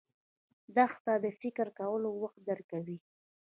دښته د فکر کولو وخت درکوي.